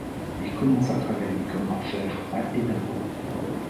Il commence à travailler comme orfèvre à Édinbourg.